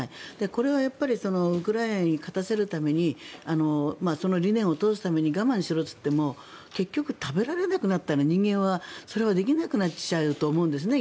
これはウクライナに勝たせるためにその理念を通すために我慢しろと言っても結局、食べられなくなったら人間はそれはできなくなっちゃうと思うんですね。